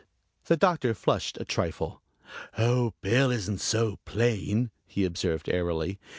The Doctor flushed a trifle. "Oh, Bill isn't so plain," he observed airily.